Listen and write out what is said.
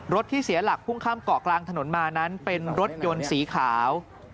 ที่เสียหลักพุ่งข้ามเกาะกลางถนนมานั้นเป็นรถยนต์สีขาว